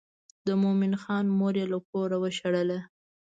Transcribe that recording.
د مومن خان مور یې له کوره وشړله.